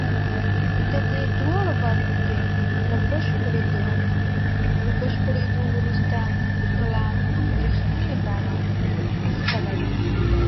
د دې دواړو برخو له بشپړېدو وروسته پلان رښتینې بڼه خپلوي